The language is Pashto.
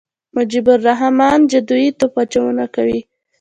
مجيب الرحمن جادويي توپ اچونه کوي.